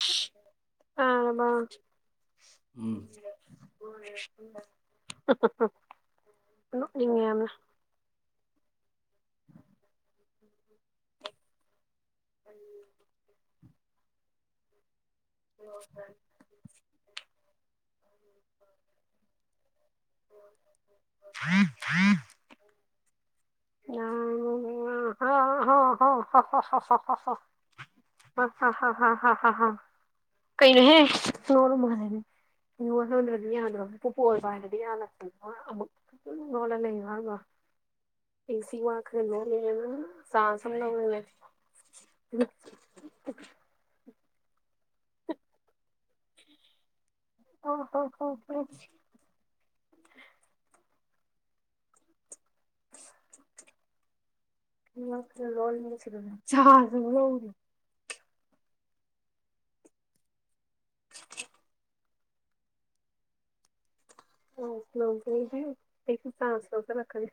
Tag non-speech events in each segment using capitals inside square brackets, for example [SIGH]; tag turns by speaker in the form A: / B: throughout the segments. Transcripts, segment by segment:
A: [UNINTELLIGIBLE] [INAUDIBLE]
B: ꯎꯝ
A: [UNINTELLIGIBLE] ꯅꯣꯛꯅꯤꯡꯉꯦꯌꯥꯝꯅ꯫ [INAUDIBLE] [INAUDIBLE] ꯑꯥ [UNINTELLIGIBLE] ꯍꯥꯍꯥ ꯍꯥꯍꯥ ꯀꯩꯅꯣꯍꯦ ꯉꯧꯔ ꯃꯥꯜꯂꯦꯅꯦ꯫ [UNINTELLIGIBLE] ꯆꯥꯟꯁ ꯂꯩꯔꯦꯅꯦ꯫ [INAUDIBLE] [UNINTELLIGIBLE] [UNINTELLIGIBLE] [UNINTELLIGIBLE] ꯑꯩꯁꯨ ꯆꯥꯟꯁ ꯂꯧꯁꯥꯜꯂꯛꯀꯅꯤ꯫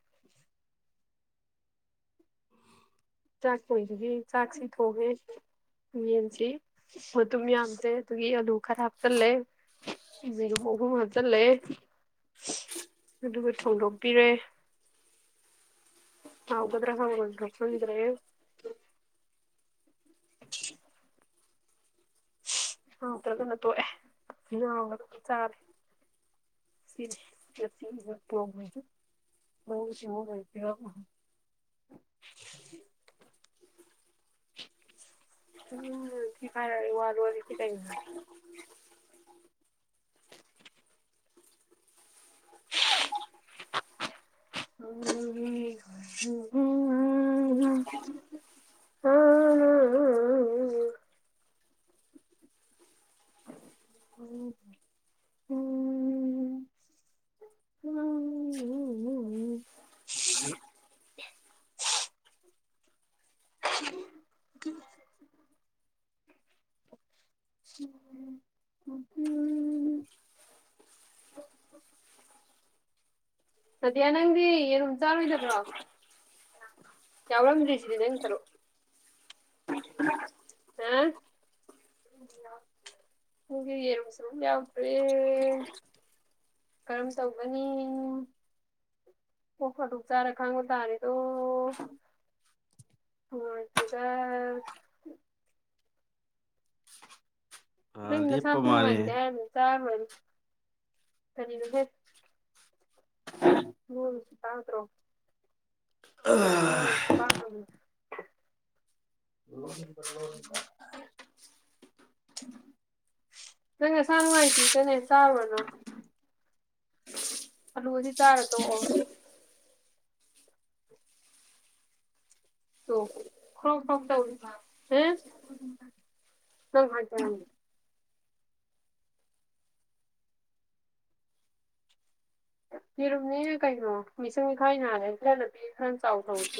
A: ꯆꯥꯛ ꯊꯣꯏꯕꯒꯤ ꯆꯥꯛꯁꯤ ꯊꯣꯡꯉꯦ ꯌꯦꯟꯁꯦ ꯃꯇꯨꯝ ꯌꯥꯝꯗ꯭ꯔꯦ ꯑꯗꯨꯒꯤ ꯑꯂꯨ ꯈꯔ ꯍꯥꯞꯆꯤꯜꯂꯦ ꯌꯦꯔꯨꯝ ꯑꯍꯨꯝ ꯍꯥꯞꯆꯤꯜꯂꯦ ꯑꯗꯨꯒ ꯊꯣꯡꯗꯣꯛꯄꯤꯔꯦ꯫ ꯍꯥꯎꯒꯗ꯭ꯔꯥ ꯍꯥꯎꯔꯣꯏꯗ꯭ꯔꯥ ꯈꯪꯗꯔꯦꯍꯦ꯫ [INAUDIBLE] ꯍꯥꯎꯇ꯭ꯔꯒꯅ ꯇꯣꯛꯑꯦ ꯍꯥꯎꯅꯕ ꯑꯗꯨꯝ ꯆꯥꯔꯦ ꯁꯤꯅꯤ꯫ [UNINTELLIGIBLE] [UNINTELLIGIBLE] ꯊꯤ ꯐꯥꯏꯔ ꯑꯩ ꯋꯥ ꯂꯣꯠꯂꯦꯗꯤ ꯀꯩꯅꯦ꯫ [UNINTELLIGIBLE] ꯍꯥ꯫ [UNINTELLIGIBLE] [UNINTELLIGIBLE] [UNINTELLIGIBLE] [UNINTELLIGIBLE] [UNINTELLIGIBLE] ꯅꯪꯗꯤ ꯌꯦꯔꯨ꯫ ꯆꯥꯔꯣꯏꯗꯕ꯭ꯔꯣ꯫ ꯌꯥꯎꯔꯝꯗꯔ꯭ꯤꯁꯤ [UNINTELLIGIBLE] ꯅꯪ ꯁꯔꯨꯛ꯫ ꯑꯦ ꯅꯪꯒꯤ ꯌꯦꯔꯨꯝ ꯁꯔꯨꯛ ꯌꯥꯎꯗ꯭ꯔꯦ ꯀꯔꯝ ꯇꯧꯒꯅꯤ ꯑꯣꯛ ꯐꯗꯣꯛ ꯆꯥꯔ ꯈꯥꯡꯕ ꯇꯥꯔꯦꯗꯣ꯫ ꯅꯨꯡꯉꯥꯏ ꯇꯦꯗ
B: ꯑꯥ
A: ꯅꯪ
B: ꯂꯦꯞꯄ
A: ꯅꯁꯥꯁꯨ ꯅꯨꯡꯉꯥꯏꯇꯦ
B: ꯃꯥꯜꯂꯦ
A: ꯍꯥꯏꯔꯝꯅꯤꯅ ꯆꯥꯎꯔꯅꯨ꯫ ꯀꯔꯤꯅꯣꯍꯦ꯫ ꯎꯝ ꯇꯥꯡꯇ꯭ꯔꯣ꯫꯫꯫ [UNINTELLIGIBLE] [UNINTELLIGIBLE] ꯅꯪ ꯅꯁꯥ ꯅꯨꯡꯉꯥꯏꯇꯦꯗꯅꯦ ꯆꯥꯎꯔꯅꯨ꯫ ꯑꯂꯨꯁꯤ ꯆꯥꯔ ꯇꯣꯛꯑꯣ ꯈꯣꯛ ꯈꯣꯛ ꯇꯩꯔꯤ [INAUDIBLE] ꯌꯦꯔꯨꯝꯅꯦ ꯀꯩꯅꯣ ꯃꯤꯆꯪ ꯃꯤꯈꯥꯏ ꯅꯥꯏꯔꯦ ꯈꯔꯗꯄꯤ ꯈꯔ ꯆꯥꯎꯊꯧꯁꯦ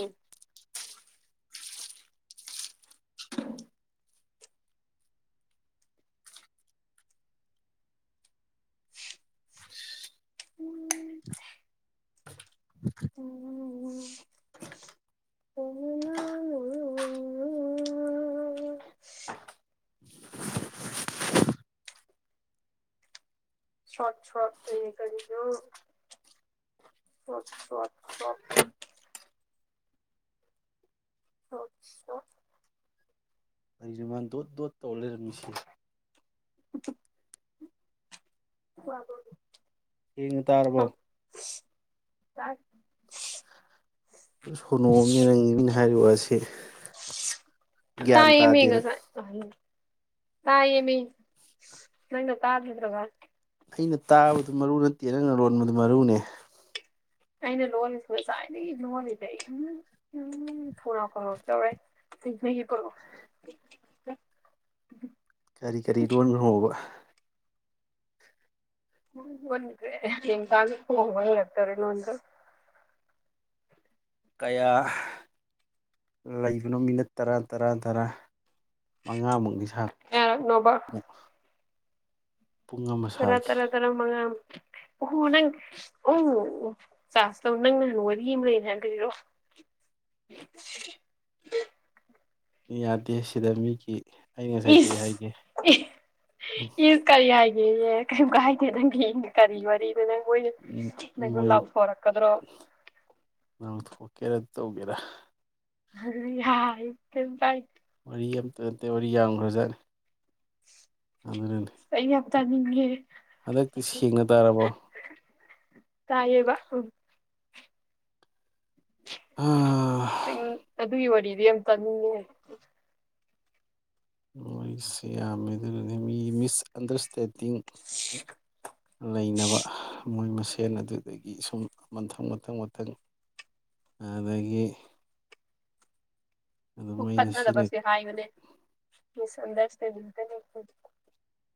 A: ꯎ ꯑꯣꯅ ꯁꯠ ꯁꯠ ꯀꯅꯣ ꯁ ꯁꯠ ꯁ [UNINTELLIGIBLE] ꯑ
B: ꯀꯔꯤꯅꯣ ꯃꯥ ꯗꯣꯠ ꯗꯣꯠ ꯇꯧ ꯂꯩꯔꯝꯃꯤꯁꯤ
A: ꯑꯣꯀꯦ ꯋꯥ
B: ꯁꯦꯡꯅ ꯇꯥꯔꯕꯣ
A: ꯆꯥꯛ
B: ꯁꯣꯅꯣꯑꯝꯅꯤ ꯅꯪ ꯃꯤꯅ ꯍꯥꯏꯔꯤ ꯋꯥꯁꯤ ꯒ꯭ꯌꯥꯟ
A: ꯇꯥꯌꯦꯃꯤ
B: ꯇꯥꯗꯦꯅ
A: ꯉꯁꯥꯏ ꯇꯥꯌꯦꯃꯤ ꯅꯪ ꯇꯥꯗ꯭ꯔꯒ
B: ꯑꯩꯅ ꯇꯥꯕꯗꯨ ꯃꯔꯨ ꯅꯠꯇꯦ ꯅꯪꯅ ꯂꯣꯟꯕꯗꯨ ꯃꯔꯨꯅꯦ
A: ꯑꯩꯅ ꯂꯣꯜꯂꯤꯁꯤ ꯉꯁꯥꯏꯗꯒꯤ ꯂꯣꯜꯂꯤꯅꯤ ꯑꯩ ꯈꯧꯅꯥꯎ ꯀꯪꯉꯛꯗꯧꯔꯦ ꯁꯤ ꯅꯒꯤ ꯄꯨꯔꯛ
B: ꯀꯔꯤ ꯀꯔꯤ ꯂꯣꯟꯈ꯭ꯔꯣꯕ
A: ꯎ꯭ꯔꯦ ꯌꯦ ꯀꯥꯕ ꯂ ꯇꯔ ꯅꯣꯟ [UNINTELLIGIBLE]
B: ꯀꯌꯥ ꯂꯩꯕꯅꯣ ꯃꯤꯅꯠ ꯇꯔꯥ ꯇꯔꯥ ꯇꯔꯥ ꯃꯉꯥꯃꯨ ꯁꯥ
A: ꯌꯥꯔꯛꯅꯣꯕ ꯇꯔꯥ ꯇꯔꯥ ꯇꯔꯥ ꯃꯉꯥ ꯑꯣꯍꯣ ꯅꯪ ꯎꯝ ꯆꯥꯥꯁ ꯇꯧ ꯅꯪ ꯅꯍꯥꯟ ꯋꯥꯔꯤ ꯑꯃ ꯂꯩꯅꯦ ꯍꯥꯏ ꯂꯩꯔꯣ
B: ꯌꯥꯗꯦ ꯁꯤꯗ ꯃꯤꯒꯤ ꯑꯩ ꯉꯁꯥꯏ ꯀꯔꯤ ꯍꯥꯏꯒꯦ
A: ꯏꯁ ꯏ ꯀꯔꯤ ꯍꯥꯏ ꯍꯥꯏ ꯦ ꯀꯩꯝ ꯀꯥꯏꯗꯦ ꯅꯪ ꯀꯔꯤ ꯃꯔꯤ ꯅꯉꯣꯏ ꯅꯉꯣꯏ
B: ꯃꯣꯏ
A: ꯂꯥꯎꯊꯥꯎꯔꯛꯀꯗ꯭ꯔꯣ
B: ꯀꯦꯔꯦ ꯇꯧꯒꯦꯔꯥ
A: ꯑ ꯌꯥꯥꯏ
B: ꯋꯥꯔꯤ ꯑꯃꯇ ꯅꯠꯇꯦ ꯋꯥꯔꯤ ꯌꯥꯝꯈ꯭ꯔꯖꯥꯠꯅꯤ ꯑꯗꯨꯅꯅꯦ
A: ꯑꯩ ꯌꯥꯝ ꯇꯥꯅꯤꯡꯉꯦ
B: ꯍꯟꯗꯛꯇꯤ ꯁꯦꯡꯅ ꯇꯥꯔꯕꯣ
A: ꯇꯥꯏꯌꯦꯕ ꯑꯗꯨ ꯑꯗꯨ ꯏ ꯋꯥꯔꯤ ꯌꯦꯟ ꯆꯥꯅꯤꯡꯉꯦ
B: ꯃꯣꯏꯁ ꯌꯥꯝꯃꯦ ꯑꯗꯨ ꯃꯤꯁꯑꯟꯗꯔꯁꯇꯦꯟ ꯇꯤꯟ ꯂꯩꯅꯕ ꯃꯣꯏ ꯃꯁꯦꯟ ꯑꯗꯨꯗꯒꯤ ꯁꯨꯝ ꯃꯟꯊꯪ ꯃꯊꯪ ꯃꯊꯪ ꯑꯗꯒꯤ ꯑꯗꯨꯝ ꯑꯩꯅ ꯁꯤꯅ
A: ꯐꯠꯅꯗꯕꯁꯦ ꯍꯥꯏꯕꯅꯦ [UNINTELLIGIBLE]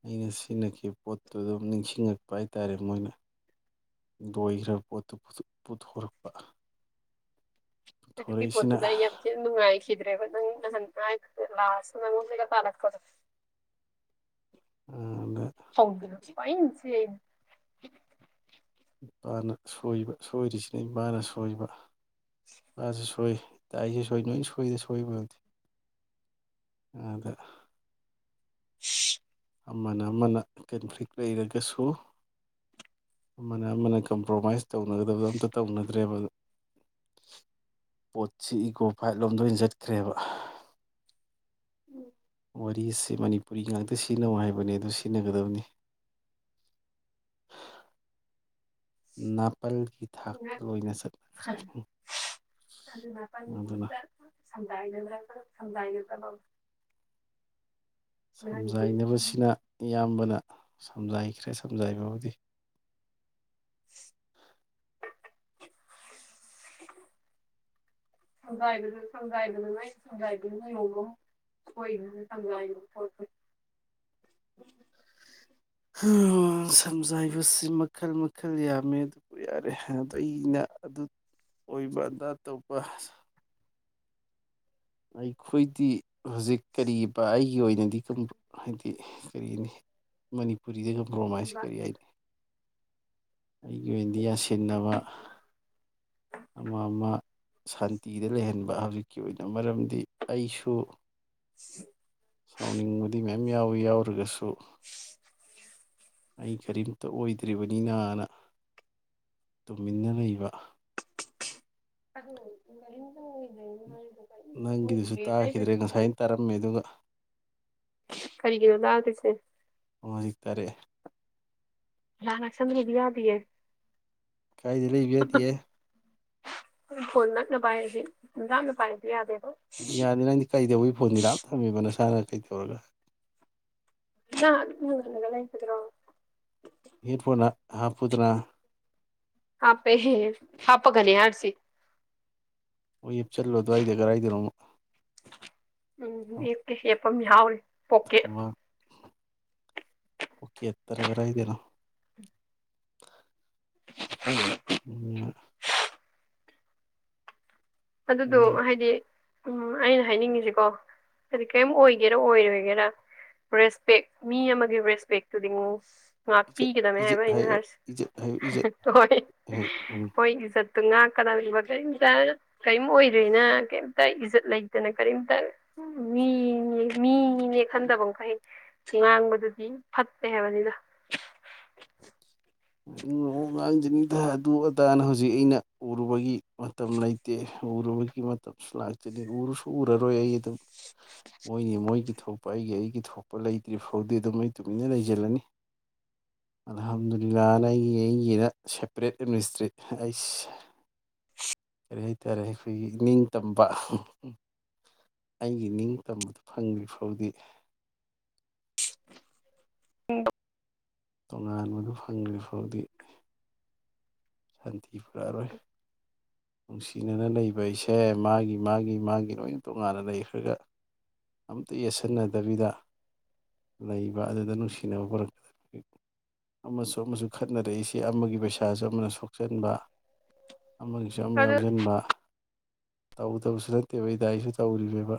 B: ꯑꯩꯅ ꯁꯤꯖꯤꯟꯅꯈꯤꯕ ꯄꯣꯠꯇꯨ ꯑꯗꯨꯝ ꯅꯤꯡꯁꯤꯡꯉꯛꯄ ꯍꯥꯏꯇꯥꯔꯦ ꯃꯣꯏꯅ ꯂꯣꯏꯈ꯭ꯔꯕ ꯄꯣꯠꯇꯨ ꯄꯨꯊꯣꯔꯛꯄ
A: ꯑꯗꯨꯗꯤ
B: ꯄꯨꯊꯣꯔꯛꯏꯁꯤꯅ
A: ꯄꯣꯠꯇꯨꯗ ꯌꯥꯝ ꯊꯤꯅꯥ ꯅꯨꯡꯉꯥꯏ ꯆꯗ꯭ꯔꯦꯕ ꯂꯥꯁꯇꯥ ꯅꯪꯉꯣꯟꯗꯒ ꯊꯥꯔꯛꯄꯗꯣ
B: ꯑꯗ
A: ꯁꯧꯗꯅ [UNINTELLIGIBLE]
B: ꯏꯄꯥꯅ ꯁꯣꯏꯕ ꯁꯣꯏꯔꯤꯁꯤꯅ ꯏꯃꯥꯅ ꯁꯣꯏꯕ ꯃꯁꯨ ꯁꯣꯏ ꯏꯇ ꯑꯩꯁꯦ ꯁꯣꯏ ꯅꯣꯏ ꯁꯣꯏꯗ ꯁꯣꯏꯕ ꯋꯥꯗꯤ ꯑꯗ
A: [UNINTELLIGIBLE]
B: ꯑꯃꯅ ꯑꯃꯅ ꯀꯟꯐ꯭ꯂꯤꯛ ꯂꯩꯔꯒꯁꯨ ꯑꯃꯅ ꯑꯃꯅ ꯀꯝꯄ꯭ꯔꯣꯃꯥꯏꯁ ꯇꯧꯅꯒꯗꯕꯗꯣ ꯑꯝꯇ ꯇꯧꯅꯗ꯭ꯔꯦꯕ ꯄꯣꯠꯁꯤ ꯏꯀꯣ ꯐꯥꯏꯠ ꯂꯣꯝꯗ ꯑꯣꯏꯅ ꯆꯠꯈ꯭ꯔꯦꯕ ꯋꯥꯔꯤ ꯑꯁꯤ ꯃꯅꯤꯄꯨꯔꯤ ꯉꯥꯛꯇ ꯁꯤꯖꯤꯟꯅꯧ ꯍꯥꯏꯕꯅꯦ ꯑꯗꯨ ꯁꯤꯖꯤꯟꯅꯒꯗꯕꯅꯤ ꯅ ꯄꯜꯒꯤ ꯊꯥꯛꯇ ꯂꯣꯏꯅ ꯆꯠꯅꯈ꯭ꯔꯦ ꯑꯗꯨꯅ
A: [INAUDIBLE] [INAUDIBLE] ꯅꯍꯥꯟꯒꯤ
B: ꯁꯝꯖꯥꯏꯅꯕꯕꯁꯤꯅ ꯑꯌꯥꯝꯕꯅ ꯁꯝꯖꯥꯏꯈ꯭ꯔꯦ ꯁꯝꯖꯥꯏꯕꯕꯨꯗꯤ
A: [INAUDIBLE] ꯁꯪꯖꯗ ꯁꯪꯖꯥꯏꯗꯅ ꯅꯪ ꯁꯪꯖꯥꯏꯗ ꯅꯣꯡꯃ ꯁꯣꯏꯗ ꯁꯪꯖꯥꯏꯕ ꯄꯣꯠ
B: ꯁꯝꯖꯥꯏꯕꯁꯤ ꯃꯈꯜ ꯃꯈꯜ ꯌꯥꯝꯃꯦ ꯑꯗꯨꯕꯨ ꯌꯥꯔꯦ ꯑꯗꯣ ꯑꯩꯅ ꯑꯗꯨ ꯑꯣꯏꯕ ꯑꯗꯥ ꯇꯧꯕ ꯑꯩꯈꯣꯏꯗꯤ ꯍꯧꯖꯤꯛ ꯀꯔꯤ ꯄ ꯑꯩꯒꯤ ꯑꯣꯏꯅ [UNINTELLIGIBLE] ꯍꯥꯏꯗꯤ ꯀꯔꯤꯅꯤ ꯃꯅꯤꯄꯨꯔꯤꯗ ꯀꯝꯄ꯭ꯔꯣꯃꯥꯏꯁꯤ ꯀꯔꯤ ꯍꯥꯏꯅꯤ ꯑꯩꯒꯤ ꯏꯟꯗꯤꯌꯥ ꯁꯤꯟꯅꯕ ꯑꯃ ꯑꯃ ꯁꯥꯟꯇꯤꯗ ꯂꯩꯍꯟꯕ ꯍꯧꯖꯤꯛꯀꯤ ꯑꯣꯏꯅ ꯃꯔꯝꯗꯤ ꯑꯩꯁꯨ
A: ꯍ [INAUDIBLE]
B: ꯁꯥꯎꯅꯤꯡꯕꯗꯤ ꯃꯌꯥꯝ ꯌꯥꯎꯋꯤ ꯌꯥꯎꯔꯒꯁꯨ ꯑꯩ ꯀꯔꯤꯝꯇ ꯑꯣꯏꯗ꯭ꯔꯤꯕꯅꯤꯅ ꯅ ꯇꯨꯝꯃꯤꯟꯅ ꯂꯩꯕ
A: ꯑꯗꯨ ꯏ
B: ꯅꯪꯒꯤꯗꯨꯁꯨ ꯇꯥꯈꯤꯗ꯭ꯔꯦ
A: ꯍꯥꯏꯕꯗꯤ
B: ꯉꯁꯥꯏꯅ ꯇꯥꯔꯝꯃꯦ ꯑꯗꯨꯒ
A: ꯀꯔꯤꯒꯤꯅꯣ ꯂꯥꯛꯗꯣꯏꯁꯦ
B: ꯍꯧꯖꯤꯛ ꯇꯥꯔꯛꯑꯦ
A: ꯂꯅꯥ ꯁꯅꯤꯕꯤ ꯌꯥꯕꯤꯌꯦ
B: ꯀꯥꯏꯗꯤ ꯂꯩꯕ ꯌꯥꯇꯤꯌꯦ
A: ꯐꯣꯟ ꯅꯛꯅ ꯄꯥꯏꯔꯗꯤ ꯂꯥꯞꯅ ꯄꯥꯏꯔꯗꯤ ꯌꯥꯗꯦ
B: ꯌꯥꯅꯤ ꯅꯪꯗꯤ ꯀꯩꯗꯧꯕꯩ ꯐꯣꯟꯗꯤ ꯂꯥꯞꯅ ꯊꯝꯃꯤꯕ ꯅꯁ [UNINTELLIGIBLE]
A: [UNINTELLIGIBLE]
B: [UNINTELLIGIBLE] ꯍꯥꯞꯄꯨꯗꯅ
A: ꯍꯥꯄꯦꯍꯦ ꯍꯥꯄꯒꯅꯤ ꯍꯥꯁꯤ
B: ꯑꯣ [UNINTELLIGIBLE] ꯑꯗꯨ꯭ꯋꯥꯏꯗ ꯀꯗꯥꯥꯏꯗꯅꯣ
A: ꯐꯝ ꯌꯥꯎꯔꯤ ꯄꯣꯀꯦꯠ
B: ꯄꯣꯀꯦꯠꯇꯔ ꯀꯔꯥꯏꯗꯅꯣ
A: [INAUDIBLE]
B: ꯑ [INAUDIBLE]
A: ꯑꯗꯨꯗꯣ
B: ꯎꯝ
A: ꯍꯥꯏꯗꯤ ꯎꯝ ꯑꯩꯅ ꯍꯥꯏꯅꯤꯡꯉꯤꯁꯦꯀꯣ ꯍꯥꯏꯗꯤ ꯀꯔꯤꯝ ꯑꯣꯏꯒꯦꯔꯥ ꯑꯣꯏꯔꯣꯏꯒꯦꯔ ꯔꯦꯁꯄꯦꯛ ꯃꯤ ꯑꯃꯒꯤ ꯔꯦꯁꯄꯦꯛꯇꯨꯗꯤ
B: ꯏꯖꯠ
A: ꯉꯥꯛꯄꯤꯒꯗꯅꯤ
B: ꯏꯖꯠ
A: ꯍꯥꯏꯕ ꯑꯩꯅ
B: ꯍꯥꯏꯌꯣ
A: ꯍꯥꯏꯔꯤꯁꯦ
B: ꯏꯖꯠ ꯍꯥꯏꯌꯣ ꯏꯖꯠ
A: ꯍꯣꯏ ꯍꯣꯏ ꯏꯖꯠ ꯇꯨ ꯉꯥꯛꯀꯗꯕꯅꯦꯕ [UNINTELLIGIBLE] ꯀꯔꯤꯝ ꯑꯣꯏꯗꯔ꯭ꯦꯅ ꯀꯔꯤꯝꯇ ꯏꯖꯠ ꯂꯩꯇꯅ ꯀꯔꯤꯝꯇ ꯃꯤꯅꯦ ꯃꯤꯅꯦ ꯈꯟꯗꯕ ꯃꯈꯩ ꯉꯥꯡꯕꯗꯨꯗꯤ ꯐꯠꯇꯦ ꯍꯥꯏꯕꯅꯤꯗ
B: [UNINTELLIGIBLE] ꯉꯥꯡꯖꯔꯅꯤꯗ ꯑꯗꯨ ꯑꯗꯥꯅ ꯍꯧꯖꯤꯛ ꯑꯩꯅ ꯎꯔꯨꯕꯒꯤ ꯃꯇꯝ ꯂꯩꯇꯦ ꯎꯔꯨꯕꯒꯤ ꯃꯇꯝꯁꯨ ꯂꯥꯛꯇꯅꯤ ꯎꯔꯨꯁꯨ ꯎꯔꯔꯣꯏ ꯑꯩ ꯑꯗꯨꯝ ꯍꯣꯏꯅꯦ ꯃꯣꯏꯒꯤ ꯊꯣꯛꯄ ꯑꯩꯒꯤ ꯑꯩꯒꯤ ꯊꯣꯛꯄ ꯂꯩꯇ꯭ꯔꯤ ꯐꯥꯎꯗꯤ ꯑꯗꯨꯝ ꯑꯩ ꯇꯨꯃꯤꯟꯅ ꯂꯩꯖꯤꯜꯂꯅꯤ [INAUDIBLE] ꯂꯤꯂꯥꯅ ꯑꯩꯒꯤ ꯑꯩꯒꯤꯗ ꯁꯦꯄꯔꯦꯠ ꯑꯦꯗꯃꯤꯅꯤꯁꯇ꯭ꯔꯦ ꯑꯩ ꯀꯔꯤ ꯍꯥꯏꯇꯥꯔꯦ ꯑꯩꯈꯣꯏꯒꯤ ꯅꯤꯡꯇꯝꯕ ꯑꯩꯒꯤ ꯅꯤꯡꯇꯝꯕꯗ ꯐꯪꯗ꯭ꯔꯤ ꯐꯥꯎꯗꯤ
A: ꯎꯝ
B: ꯇꯣꯉꯥꯟꯕꯗꯣ ꯐꯪꯗ꯭ꯔꯤ ꯐꯥꯎꯗꯤ ꯁꯥꯟꯇꯤ ꯄꯨꯔꯛꯑꯔꯣꯏ ꯅꯨꯡꯁꯤꯅꯅ ꯂꯩꯕꯁꯦ ꯃꯥꯒꯤ ꯃꯥꯒꯤ ꯃꯥꯒꯤ ꯂꯣꯏꯅ ꯇꯣꯉꯥꯟꯅ ꯂꯩꯈ꯭ꯔꯒ ꯑꯝꯇ ꯌꯦꯠꯁꯤꯟꯅꯗꯕꯤꯗ ꯂꯩꯕ ꯑꯗꯨꯗ ꯅꯨꯡꯁꯤꯅꯕ ꯄꯨꯔꯛꯄꯗ ꯑꯃꯁꯨ ꯑꯃꯁꯨ ꯈꯠꯅꯔꯛꯏꯁꯦ ꯑꯃꯒꯤ ꯄꯩꯁꯥꯁꯨ ꯑꯃꯅ ꯁꯣꯛ ꯆꯟꯕ ꯑꯃꯒꯤꯁꯨ ꯑꯃ
A: ꯑꯗꯨ
B: ꯌꯥꯎꯖꯤꯟꯕ ꯇꯧꯗꯕꯁꯨ ꯅꯠꯇꯦꯕ ꯑꯩꯗ ꯑꯩꯁꯨ ꯇꯧꯔꯤꯅꯦꯕ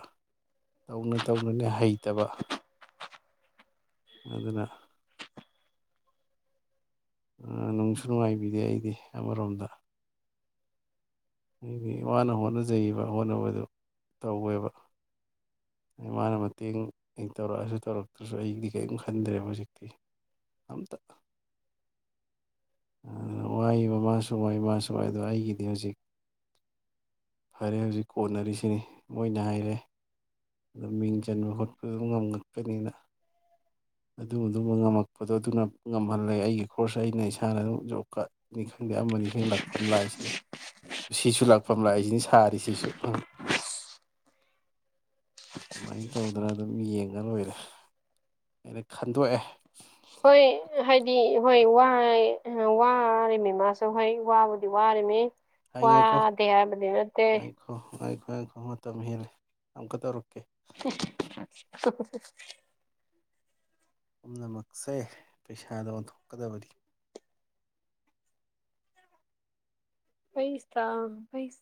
B: ꯇꯧꯅ ꯇꯧꯅꯅꯦ ꯍꯩꯇꯕ ꯑꯗꯨꯅ ꯅꯨꯡꯁꯨ ꯅꯨꯡꯉꯥꯏꯕꯤꯗꯦ ꯑꯩꯗꯤ ꯑꯃꯔꯣꯝꯗ ꯑꯩꯗꯤ ꯋꯥꯅ ꯍꯣꯠꯅꯖꯩꯕ ꯍꯣꯠꯅꯕꯗꯨ ꯇꯧꯋꯦꯕ ꯏꯃꯅ ꯃꯇꯦꯡ ꯇꯧꯔꯛꯑꯁꯨ ꯇꯧꯔꯛꯇ꯭ꯔꯁꯨ ꯑꯩꯗꯤ ꯀꯔꯤꯝ ꯈꯟꯗ꯭ꯔꯦꯕ ꯍꯧꯖꯤꯛꯇꯤ ꯑꯝꯇ ꯑꯗꯨ ꯋꯥꯕ ꯃꯥꯁꯨ ꯋꯥꯏ ꯃꯥꯁꯨ ꯋꯥꯏ ꯑꯗꯣ ꯑꯩꯒꯤꯗꯤ ꯍꯧꯖꯤꯛ ꯐꯔꯦ ꯍꯧꯖꯤꯛ ꯀꯣꯟꯅꯔꯤꯁꯤꯅꯤ ꯃꯣꯏꯅ ꯍꯥꯏꯔꯦ ꯑꯗꯨ ꯃꯤꯡ ꯆꯟꯕ ꯈꯣꯠꯄꯗꯨ [UNINTELLIGIBLE] ꯑꯗꯨꯃ ꯑꯗꯨꯝꯕ ꯉꯝꯃꯛꯄꯗꯣ ꯑꯗꯨꯅ ꯉꯝꯍꯜꯂꯦ ꯑꯩꯒꯤ ꯈꯣꯔꯁ ꯑꯩꯅ ꯏꯁꯥ ꯏꯁꯥꯅ ꯑꯗꯨꯝ ꯖꯣꯕ ꯀꯥꯔꯗꯅꯤ ꯈꯪꯗꯦ ꯑꯃꯅꯤ ꯈꯪꯗ ꯂꯥꯛꯐꯝ ꯂꯥꯛꯏꯁꯤꯅꯦ ꯁꯤꯁꯨ ꯂꯥꯛꯐꯝ ꯂꯥꯛꯏꯁꯤꯅꯤ ꯁꯥꯔꯤꯁꯤꯁꯨ ꯑꯗꯨꯃꯥꯏꯅ ꯇꯧꯗꯅ ꯑꯗꯨꯝ ꯌꯦꯡꯉ ꯂꯣꯏꯔꯦ ꯑꯩꯅ ꯈꯟꯗꯣꯛꯑꯦ
A: ꯍꯣꯏ ꯍꯥꯏꯗꯤ ꯍꯣꯏ ꯋꯥꯏ ꯋꯥꯔꯤꯃꯤ ꯃꯥꯁꯨ ꯍꯣꯏ ꯋꯥꯕꯨꯗꯤ ꯋꯥꯔꯤꯃꯤ
B: ꯍꯥꯏ ꯉꯥꯏꯈꯣ
A: ꯋꯥꯗꯦ ꯍꯥꯏꯕꯗꯤ ꯅꯠꯇꯦ
B: ꯑꯡ ꯃꯇꯝ ꯍꯦꯜꯂꯦ ꯑꯃꯨꯀ ꯇꯧꯔꯛꯀꯦ
A: [INAUDIBLE]
B: ꯄꯨꯝꯅꯃꯛꯁꯦ ꯄꯩꯁꯥꯗ ꯑꯣꯟꯊꯣꯛꯀꯗꯕꯅꯤ
A: ꯄꯩꯁꯥ ꯄꯩꯁꯥ